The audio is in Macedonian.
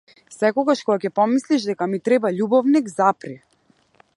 Секогаш кога ќе помислиш дека ми треба љубовник, запри.